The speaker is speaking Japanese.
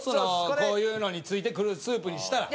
こういうのに付いてくるスープにしたら。